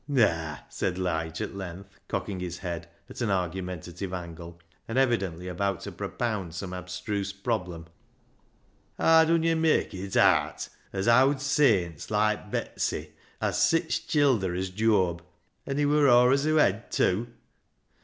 Naa," said Lige at length, cocking his head at an argumentative angle, and evidently about to propound some abstruse problem, " haa dun yo' mak' it aat, as owd saints loike Betsy hcz sich childer as Jooab — an' he wur aw as hoo hed, tew?